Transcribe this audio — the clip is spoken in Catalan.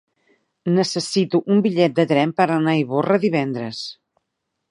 Necessito un bitllet de tren per anar a Ivorra divendres.